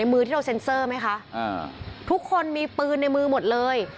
มือที่เราเซ็นเซอร์ไหมคะทุกคนมีปืนในมือหมดเลย